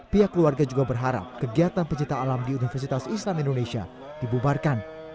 pihak keluarga juga berharap kegiatan pencipta alam di universitas islam indonesia dibubarkan